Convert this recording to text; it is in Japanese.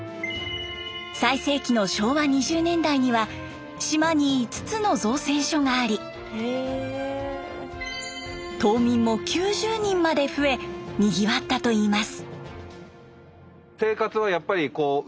最盛期の昭和２０年代には島に５つの造船所があり島民も９０人まで増えにぎわったといいます。